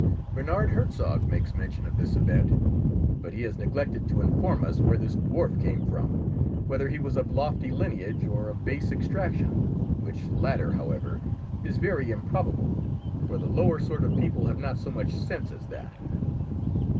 Bernard Herzog makes mention of this event, but he has neglected to inform us where this dwarf came from, whether he was of lofty lineage or of base extraction, which latter, however, is very improbable, for the lower sort of people have not so much sense as that."